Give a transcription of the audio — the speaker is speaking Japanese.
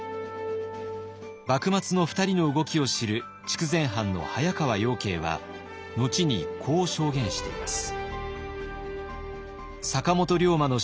幕末の２人の動きを知る筑前藩の早川養敬は後にこう証言しています。